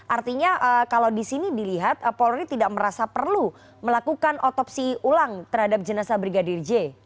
artinya kalau di sini dilihat polri tidak merasa perlu melakukan otopsi ulang terhadap jenazah brigadir j